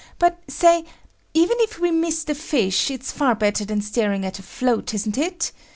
But, say, even if we miss the fish, it's far better than staring at a float, isn't it?